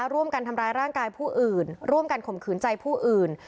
ร่วมกันทำร้ายร่างกายผู้อื่นร่วมกันข่มขืนใจผู้อื่น